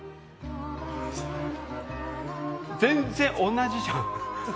全然同じじゃん。